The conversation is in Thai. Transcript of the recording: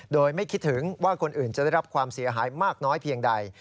โดยไม่คิดถึงว่าคนอื่นจะได้รับความเสียหายมากน้อยเพียงใด